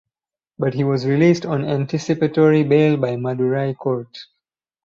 But he was released on anticipatory bail by Madurai Court.